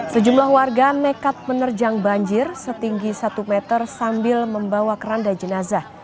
sejumlah warga nekat menerjang banjir setinggi satu meter sambil membawa keranda jenazah